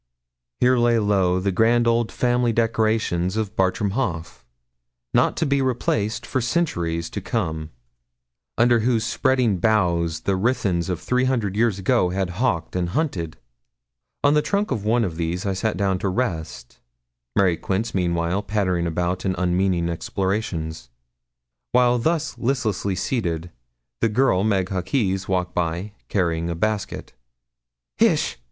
here lay low the grand old family decorations of Bartram Haugh, not to be replaced for centuries to come, under whose spreading boughs the Ruthyns of three hundred years ago had hawked and hunted! On the trunk of one of these I sat down to rest, Mary Quince meanwhile pattering about in unmeaning explorations. While thus listlessly seated, the girl Meg Hawkes, walked by, carrying a basket. 'Hish!'